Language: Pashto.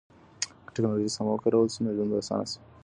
که ټکنالوژي سمه وکارول سي نو ژوند به اسانه سي.